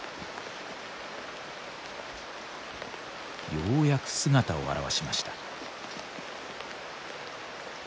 ようやく姿を現しました。